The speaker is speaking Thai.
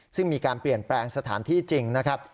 ซึ่งมีการเปลี่ยนแปลงสถานที่จริงนะครับ